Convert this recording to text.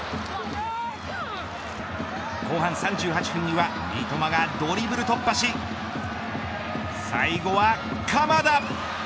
後半３８分には三笘がドリブル突破し最後は鎌田。